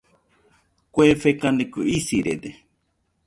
Kue fekaniko isirede.